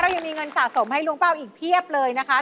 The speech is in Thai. ยังมีเงินสะสมให้ลุงเป้าอีกเพียบเลยนะคะ